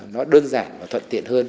nó đơn giản và thuận tiện hơn